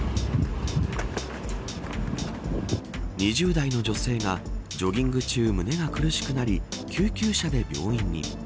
２０代の女性がジョギング中、胸が苦しくなり救急車で病院に。